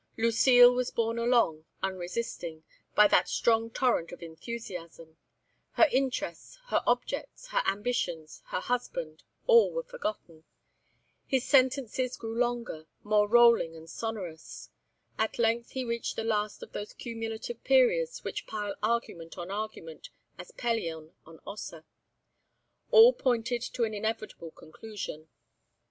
Lucile was borne along, unresisting, by that strong torrent of enthusiasm; her interests, her objects, her ambitions, her husband, all were forgotten. His sentences grew longer, more rolling and sonorous. At length he reached the last of those cumulative periods which pile argument on argument as Pelion on Ossa. All pointed to an inevitable conclusion.